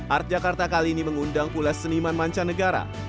art jakarta kali ini mengundang pula seniman mancanegara